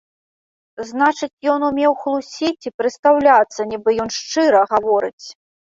Значыць, ён умеў хлусіць і прыстаўляцца, нібы ён шчыра гаворыць?